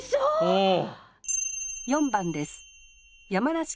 うん。